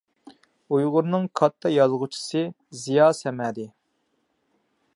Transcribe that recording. ئۇيغۇرنىڭ كاتتا يازغۇچىسى زىيا سەمەدى.